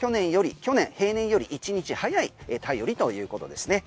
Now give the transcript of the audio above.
平年より１日早い頼りということですね。